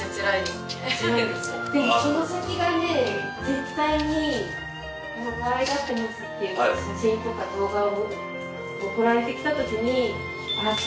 絶対にかわいがってますっていう写真とか動画を送られてきたときに。